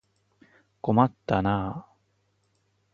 困ったなあ。